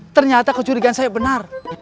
ternyata kecurigaan saya benar